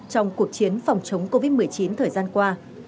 trong cuộc chiến phòng chống covid một mươi chín thời gian qua